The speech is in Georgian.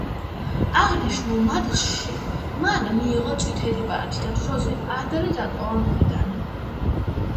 აღნიშნულ მატჩში მან მიიღო წითელი ბარათი და დროზე ადრე დატოვა მოედანი.